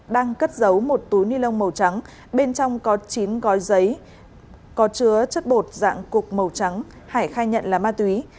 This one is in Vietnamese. đang cất giấu một túi ni lông màu trắng bên trong có chín gói giấy có chứa chất bột dạng cục màu trắng hải khai nhận là ma túy